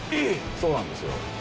そうなんですよ。